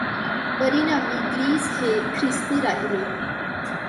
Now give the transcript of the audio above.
परिणामी ग्रीस हे ख्रिस्ती राहिले.